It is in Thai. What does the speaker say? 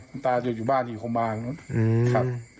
คุณตาอยู่บ้านที่โครงบาลครับ